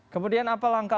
kemudian apa langkah